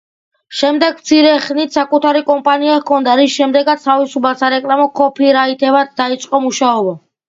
შემდეგ მცირე ხნით საკუთარი კომპანია ჰქონდა, რის შემდეგაც თავისუფალ სარეკლამო ქოფირაითერად დაიწყო მუშაობა.